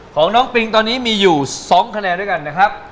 ของน้องปิงตอนนี้มีอยู่๒คะแนนด้วยกันนะครับ